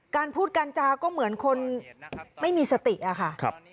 การพูดการจาก็เหมือนคนไม่มีสติอะค่ะ